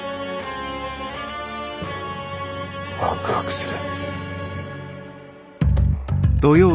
ワクワクする。